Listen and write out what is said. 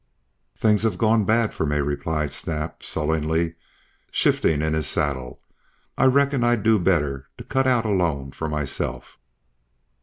"Things have gone bad for me," replied Snap, sullenly, shifting in his saddle. "I reckon I'll do better to cut out alone for myself."